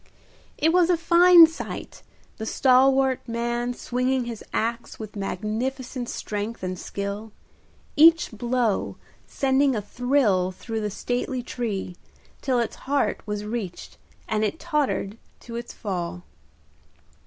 It was a fine sight, the stalwart man swinging his axe with magnificent strength and skill, each blow sending a thrill through the stately tree, till its heart was reached and it tottered to its fall.